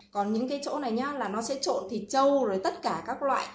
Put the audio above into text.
còn những cái chỗ này nhá là nó sẽ trộn thịt châu rồi tất cả các loại